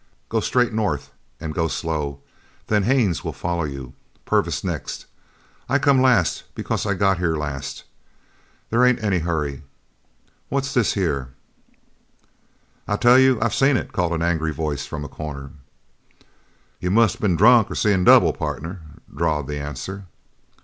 "Go straight north, and go slow. Then Haines will follow you. Purvis next. I come last because I got here last. There ain't any hurry What's this here?" "I tell you I seen it!" called an angry voice from a corner. "You must of been drunk an' seein' double, partner," drawled the answer.